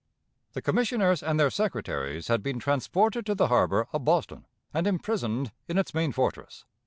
The Commissioners and their secretaries had been transported to the harbor of Boston, and imprisoned in its main fortress.